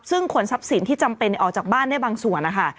ซึ่งขนทรัพย์สินที่จำเป็นออกจากบ้านได้บางส่วนนะคะ